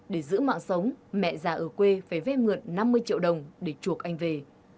để giữ mạng sống mẹ già ở quê phải vé mượn năm mươi triệu đồng để chuộc anh về